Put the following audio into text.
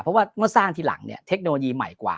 เพราะว่าเมื่อสร้างทีหลังเนี่ยเทคโนโลยีใหม่กว่า